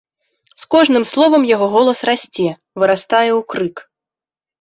З кожным словам яго голас расце, вырастае ў крык.